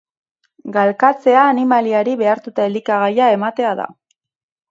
Galkatzea animaliari behartuta elikagaia ematea da.